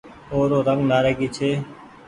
او رو رنگ نآريگي ڇي۔